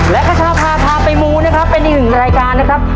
และขชาพาพาไปมูนะครับเป็นอีกหนึ่งรายการนะครับ